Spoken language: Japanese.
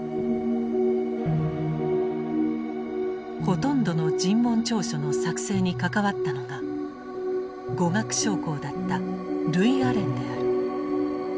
ほとんどの尋問調書の作成に関わったのが語学将校だったルイアレンである。